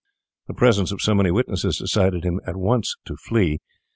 The presence of so many witnesses decided him at once to flee.